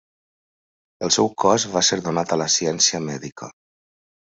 El seu cos va ser donat a la ciència mèdica.